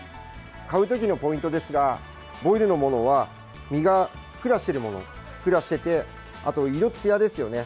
買うときのポイントですがボイルのものは身がふっくらしていてあと、色つやですよね。